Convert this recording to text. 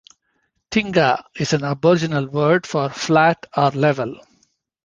Tingha is an Aboriginal word for "flat or level".